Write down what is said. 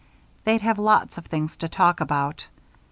They'd have lots of things to talk about.